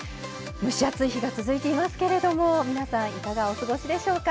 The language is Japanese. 蒸し暑い日が続いていますけれども皆さんいかがお過ごしでしょうか。